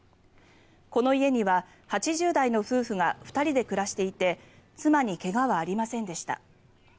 この家には８０代の夫婦が２人で暮らしていて妻に怪我はありませんでした。